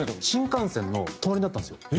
新幹線の隣になったんですよ。